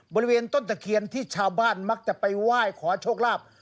บริเวณต้นตะเคียนที่ชาวบ้านมักจะไปไหว้ขอโชคลาภ